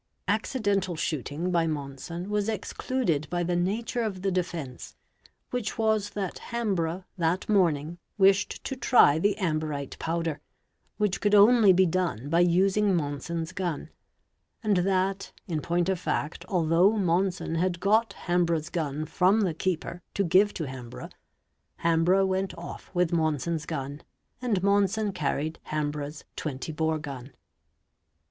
Accidental shooting by Monson was excluded by the nature of the defence, which was that Hambrough, that morning, wished to try the amberite powder, which could only be done by using Monson's gun, and that, in point of fact, although Monson had got Hambrough's gun from the keeper to give to Hambrough, Hambrough went off with Monson's gun, and Monson carried Ham brough's 20 bore gun.